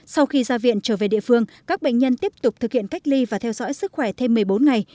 sau khi ra viện trở về địa phương các bệnh nhân tiếp tục thực hiện cách ly và theo dõi sức khỏe thêm một mươi bốn ngày